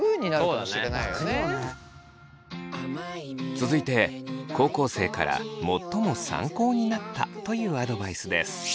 続いて高校生から最も参考になったというアドバイスです。